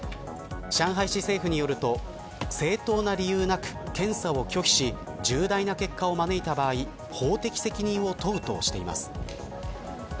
上海市政府によると正当な理由なく検査を拒否し重大な結果を招いた場合法的責任を問うとしています。